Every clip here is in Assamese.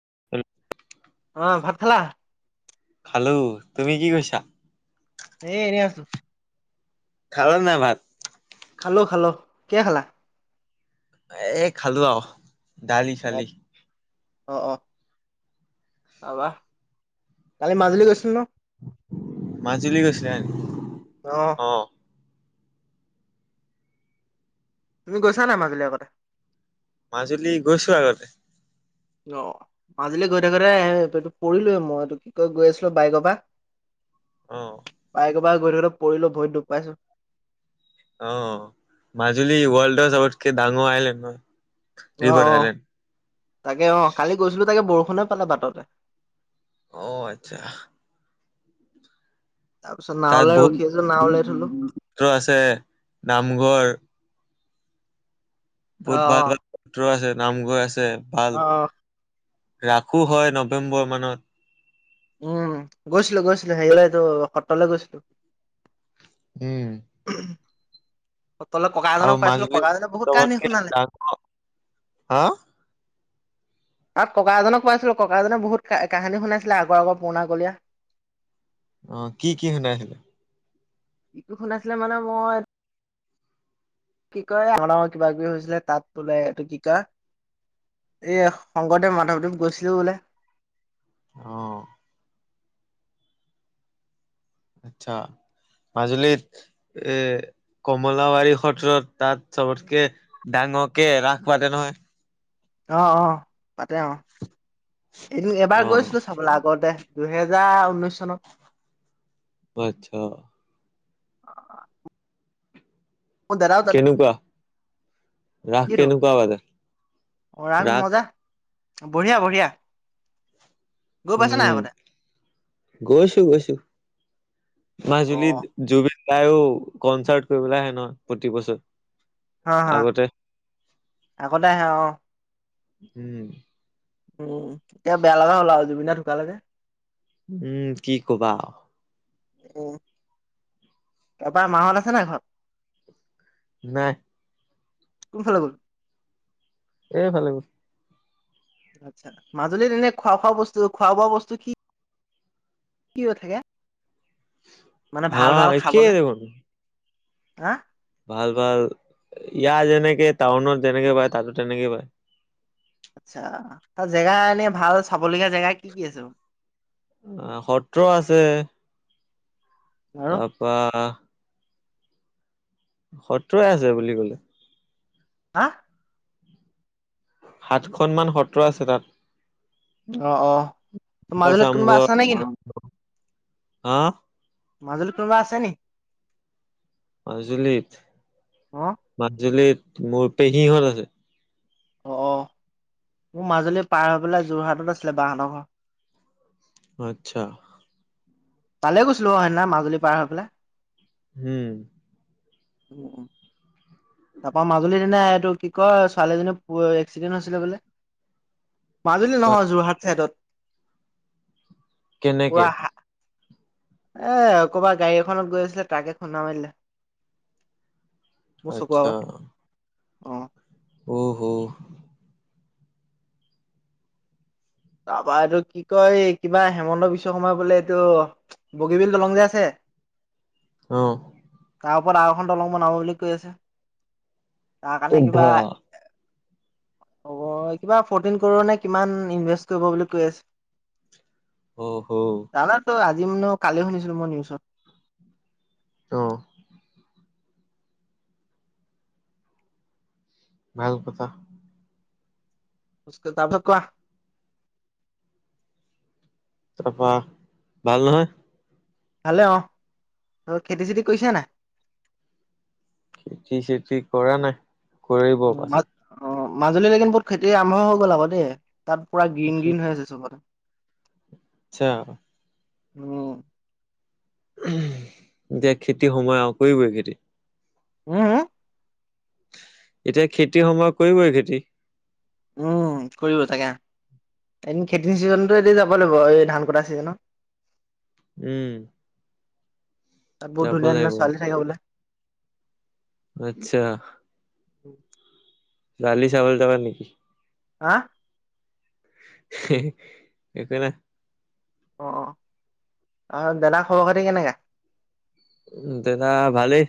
[unintelligible] অ' ভাত খালা। খালোঁ, তুমি কি কৰিছা। এ, এনেই আছো। খালা নে নাই ভাত। খালো, খালো কিহৰে খালা। এ খালো আৰু দালি, চালি অ' অ' তাৰপা, কালি মাজুলী গৈছিল ন। মাজুলী গৈছিল নেকি? অ' তুমি, গৈছা নাই মাজুলী আগতে? মাজুলী গৈছো আগতে। অ', মাজুলী গৈ থাকোতে এ [unintelligible] পৰিলোৱে মই, এইটো কি কয়, গৈ আছিলোঁ বাইকৰ পৰা অ' [unintelligible] গৈ থাকোঁতে পৰিলো, ভৰিত দুখ পাইছোঁ। অ', মাজুলি ৱৰ্ল্ডৰ চবত কে ডাঙৰ আইলেণ্ড হয়। অ', ৰিভাৰ অ, আইলেণ্ড তাকে অ, কালি গৈছিলো তাকে বৰষ ষুণে পালে বাটতে অ', আচ্ছা তাৰপিছত তাত নাৱলৈ বহুত ৰখি আছো নাওলৈ থলো [unintelligible] আছে, নামঘৰ অ বহুত ভাল ভাল সত্ৰ আছে। নামঘৰ আছ ছে, অ ভাল অ ৰাসো হয় নৱেম্বৰ মানত। উম, গৈছিলো, গৈছিলো হেৰিলৈ তোৰ সত্ৰলৈ গৈছিলো। উম [inaudible] সত্ৰলৈ ককা এজনক আৰু, পাইছিলো মাজুলী ককাজনে বহুত কাহিনী ছবতকে শুনালে ডাঙৰ, হাঁ তাত, ককা এজনক পাইছিলো ককাজনে বহুত কাহিনী শুনাইছিলে আগৰ আগৰ পুৰণা কলীয়া। অ' কি কি শুনাইছিলে? কিটো শুনাইছিলে মানে মই, কি কয় আমাৰ ডাঙৰ কিবা কিবি হৈছিলে। তাত বোলে এইটো কি কয় এই শংকৰদেৱ, মাধৱদেৱ গৈছিল বোলে। অহ আচ্ছা মাজুলীত এ কমলাবাৰী সত্ৰত তাত চবতকে ডাঙৰকে ৰাস পাতে নহই। অ' অ' পাতে অ'। এদিন এবাৰ অ গৈছিলো চাবলৈ আগতে। দুহেজাৰ ঊনৈশ চনত। আচ্ছা। অহ, অহ [unintelligible] কেনেকুৱা? ৰাস কিটো কেনেকুৱা পালে অ ৰাগ ৰাস? মজা বঢ়িয়া বঢ়িয়া। গৈ পাইছা নাই উম, আগতে গৈছো গৈছো অ মাজুলীত জুবিন দাইয়ো কনচাৰ্ট কৰিবলৈ আহে নহয় প্ৰতি বছৰ। হা হা, আগতে আগতে আহে অ'। উম। অ'। এতিয়া বেয়া লগা হল আৰু জুবিন দা ঢুকালে যে। উম, কি কবা। উ, তাৰপা মাহত আছে নাই ঘৰত? নাই। কোনফালে গল? এ ফালে গল। আচ্ছা, মাজুলীত এনে খোৱা খোৱা বস্তু খোৱা বোৱা বস্তু কি কি হৈ থাকে? মানে হা ভাল ভাল একে খাবলে দেখোন। হা? ভাল ভাল ইয়াৰ যেনেকে টাউনত যেনেকে পায় তাতো তেনেকে পায়। আচ্ছা, তাত জেগা এনে ভাল চাবলগীয়া জেগা কি কি আছে? অ', সত্ৰ আছে। আৰু তাৰপা সত্ৰই আছে বুলি ক'লে। হা? সাতখনমান সত্ৰ আছে তাত। অ', অ', মাজুলীত কোনোবা আছা নে কিনো? আহ? মাজুলীত কোনোবা আছে নি? মাজুলীত অ মাজুলীত মোৰ পেহিহঁত আছে। অ', অ', মোৰ মাজুলী পাৰ হৈ পেলাই যোৰহাটত আছিলে বাহতৰ ঘৰ। আচ্ছা। তালে গৈছিলো অ' সেইদিনা মাজুলী পাৰ হৈ পেলাই। হুম। উ, উ, তাৰাপা মাজুলীত সিদিনা এইটো কি কয় ছোৱালীজনী এক্সিডেণ্ট হৈছিলে বোলে। মাজুলী চোৱা নহয় যোৰহাট চাইদত। কেনেকে? এ কবাৰ গাড়ী এখনত গৈ আছিলে ট্ৰাকে খুন্দা মাৰিলে। মোৰ চকুৰ আচ্ছা। আগত অ অহ। তাৰপা এইটো কি কয় কিবা হিমন্ত বিশ্ব শৰ্মা বোলে এইটো বগীবিল দলং যে আছে আহ। তাৰ আৰু এখন দলং বনাব বুলি কৈ আছে। তাৰ কাৰণে কিবা বা হ'ব, এ কিবা ফ'ৰ্টিন ক'ৰোৰ নে কিমান ইনভে কৰিব বুলি কৈ আছে। আহ হ' দিম ন কালি শুনিছিলো মোৰ নিউজত। তো' ভাল কথা। [unintelligible] তাছত কোৱা। তাৰপা, ভাল নহয়? ভালে অ। [unintelligible] খেতি চেতি কৰিছে নাই? খেতি চেতি কৰা নাই। কৰিব পাছত। মাজুলী [unintelligible] খেতি আৰম্ভ হৈ গ'ল আকৌ দেই। তাত পুৰা গ্ৰীণ গ্ৰীণ হৈ আছে চবতে। আচ্ছা উম এতিয়া খেতি সময় আও, কৰিবই খেতি উম, উ। এতিয়া খেতিৰ সময়, কৰিবই খেতি। উম, কৰিব তাকে। এদিন খেতিৰ চিজনতো এতি যাব লাগিব, এই ধান কটা চিজনত। উম তাত বহুত যাব ধুনীয়া ধুনীয়া লাগিব ছোৱালী থাকে বোলে আচ্ছা [inaudible] ছোৱালী চাবলৈ যাবা নেকি? আ একো নাই। অ', [unintelligible] দাদাৰ খবৰ খাতি কেনেকা? উম, দেতা ভালেই।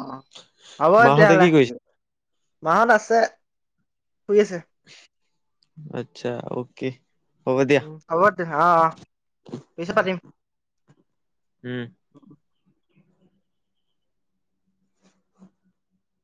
অ', হ'ব মাহঁতে কি তেতিয়াহ'লে। কৰিছে মাহঁত আছে। শুই আছে। আচ্ছা, অ'কে। হ'ব দিয়া উম, হ'ব তেতিয়াহ'লে। অ', অ'। পিছত পাতিম। উম